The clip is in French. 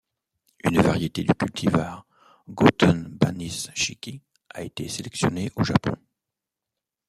Une variété du cultivar 'Gotenbanishiki' a été sélectionnée au Japon.